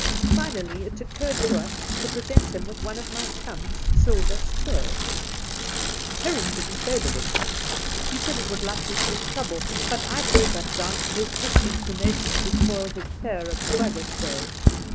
Finally, it occurred to us to present him with one of my chum's silver spurs, Heroil didn't favour this, much. He said it would likely cause trouble ; but I put that down to his disinclination to spoil his pair of swagger spurs.